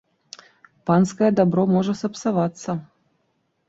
Панскае дабро можа сапсавацца.